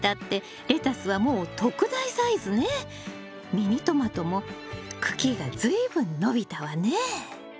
ミニトマトも茎が随分伸びたわね。